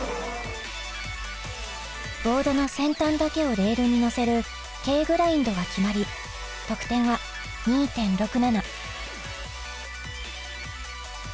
ボードの先端だけをレールに乗せるＫグラインドが決まり得点は２．６７。